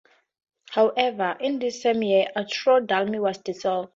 However, in this same year, Austro-Daimler was dissolved.